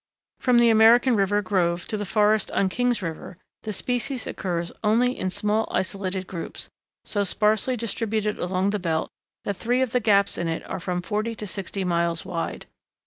From the American River grove to the forest on King's River the species occurs only in small isolated groups so sparsely distributed along the belt that three of the gaps in it are from forty to sixty miles wide.